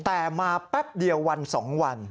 แต่มาแป๊บเดียววัน๒วัน